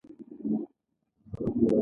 آیا دوی ښکلي لوښي نه جوړوي؟